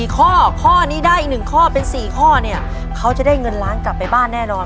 ๔ข้อข้อนี้ได้อีก๑ข้อเป็น๔ข้อเนี่ยเขาจะได้เงินล้านกลับไปบ้านแน่นอน